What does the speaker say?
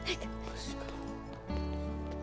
マジかよ。